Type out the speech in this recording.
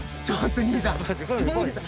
ちょっと！